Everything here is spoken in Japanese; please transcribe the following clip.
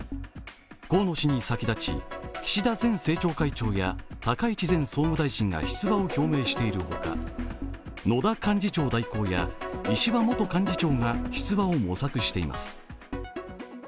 河野氏に先立ち、岸田前政調会長や高市前総務大臣が出馬を表明しているほか野田幹事長代行や石破元幹事長が出馬を模索しています。